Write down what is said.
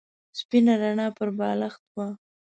سپینه رڼا پر بالښت وه.